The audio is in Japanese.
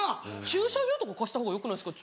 駐車場とか貸した方がよくないですか？